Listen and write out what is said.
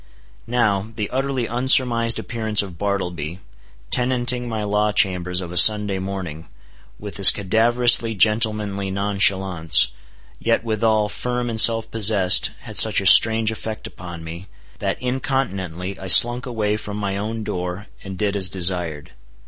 Now, the utterly unsurmised appearance of Bartleby, tenanting my law chambers of a Sunday morning, with his cadaverously gentlemanly nonchalance, yet withal firm and self possessed, had such a strange effect upon me, that incontinently I slunk away from my own door, and did as desired.